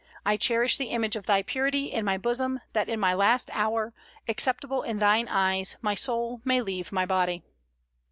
I cherish the image of thy purity in my bosom, that in my last hour, acceptable in thine eyes, my soul may leave my body."